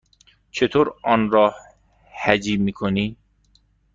چطور آن را هجی می کنی؟